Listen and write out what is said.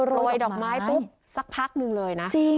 ยดอกไม้ปุ๊บสักพักหนึ่งเลยนะ